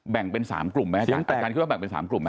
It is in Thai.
แบ่งเป็น๓กลุ่มไหมอาจารย์แต่การคิดว่าแบ่งเป็น๓กลุ่มไหม